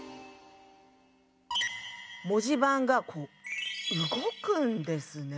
文字盤がこう動くんですね。